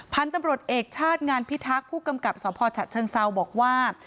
พันธุ์ตำรวจเอกชาติงานพิทักษ์ผู้กำกับสพฉเชิงเซาบอกว่า